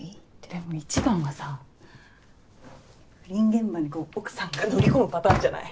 でも一番はさ不倫現場に奥さんが乗り込むパターンじゃない？